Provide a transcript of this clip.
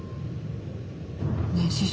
ねえ師匠。